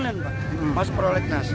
dan meminta keuntungan dari pengemudi ojol